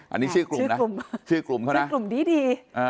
อันนี้ชื่อกลุ่มนะกลุ่มชื่อกลุ่มเขานะเป็นกลุ่มดี